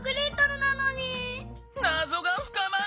なぞがふかまる！